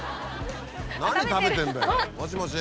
何食べてんだよもしもし？